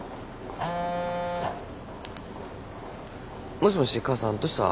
もしもし母さんどうした？